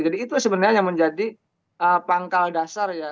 jadi itu sebenarnya yang menjadi pangkal dasar ya